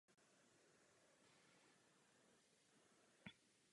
Kříže lemují cestu od brány k Božímu hrobu.